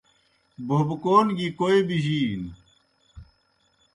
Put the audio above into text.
بھوبکون گیْ کوئے بِجِینوْ۔